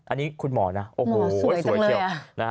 อันนี้คุณหมอนะโอ้โหสวยจังเลย